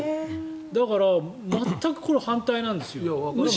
だから、これ全く反対なんですよ。